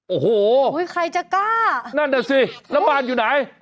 โอ้โฮโฮใครจะกล้าแล้วนั่นสิบ้านอยู่ไหน